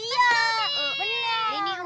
ya sudah mungkin pasti